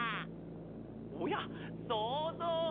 おやそうぞう！